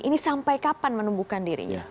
ini sampai kapan menumbuhkan dirinya